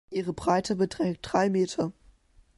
Ihre Breite beträgt drei Meter.